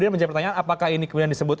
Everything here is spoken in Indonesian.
apakah ini kemudian disebut